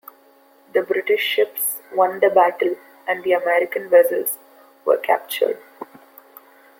The British ships won the battle, and the American vessels were captured.